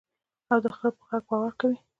او د خر په غږ باور کوې.